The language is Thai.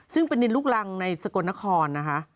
ซึ่งเป็นดินลูกรังในสกลนครนะคะ